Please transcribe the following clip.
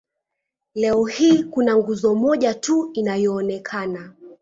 Leo hii kuna nguzo moja tu inayoonekana.